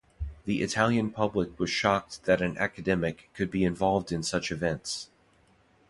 The Italian public was shocked that an academic could be involved in such events.